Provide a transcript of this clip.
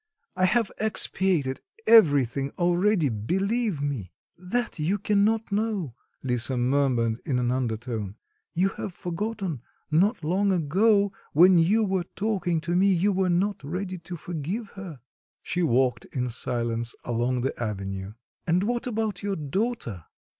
I have expiated everything already, believe me." "That you cannot know," Lisa murmured in an undertone. "You have forgotten not long ago, when you were talking to me you were not ready to forgive her." She walked in silence along the avenue. "And what about your daughter?"